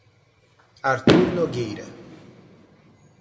Artur Nogueira